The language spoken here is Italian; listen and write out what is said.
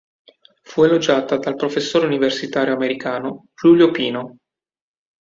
Fu elogiata dal professore universitario americano Julio Pino.